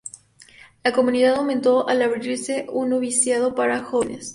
La comunidad aumentó al abrirse un noviciado para jóvenes.